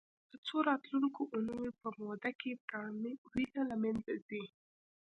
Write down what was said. په څو راتلونکو اونیو په موده کې پرڼ وینه له منځه ځي.